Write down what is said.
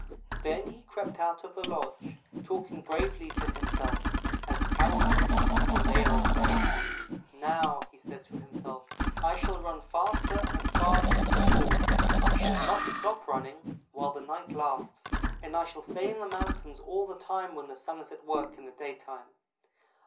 Then he crept out of the lodge, talking bravely to himself as cowards do when they are afraid. "'Now,' he said to himself, 'I shall run faster and farther than before. I shall not stop running while the night lasts, and I shall stay in the mountains all the time when the Sun is at work in the daytime!'